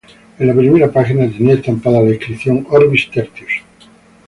En la primera página tenía estampada la inscripción: Orbis Tertius.